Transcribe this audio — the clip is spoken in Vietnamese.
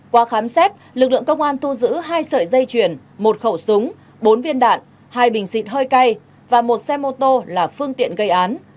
qua khám xét lực lượng công an thu giữ hai sợi dây chuyền một khẩu súng bốn viên đạn hai bình xịt hơi cay và một xe mô tô là phương tiện gây án